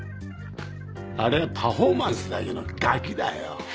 ありゃあパフォーマンスだけのガキだよ。